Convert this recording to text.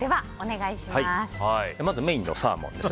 まずメインのサーモンです。